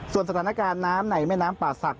สถานการณ์น้ำในแม่น้ำป่าศักดิ